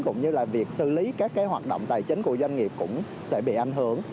cũng như việc xử lý các hoạt động tài chính của doanh nghiệp cũng sẽ bị ảnh hưởng